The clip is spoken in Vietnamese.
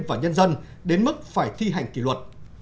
và nhân dân đến mức phải thi hành kỷ luật